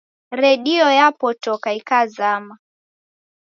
Redio yapotoka ikazama